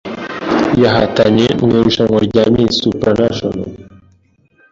yahatanye mu irushanwa rya Miss Supranational